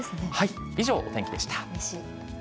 以上、お天気でした。